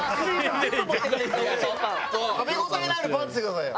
食べ応えのあるパンっつってくださいよ。